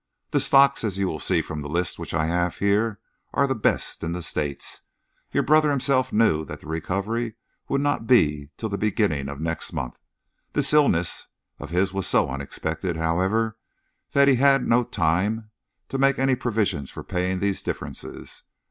The stocks, as you will see from the list which I have here, are the best in the States. Your brother himself knew that the recovery would not be till the beginning of next month. This illness of his was so unexpected, however, that he had no time to make any provision for paying these differences.